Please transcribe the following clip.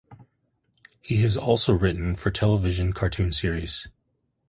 He has also written for television cartoon series.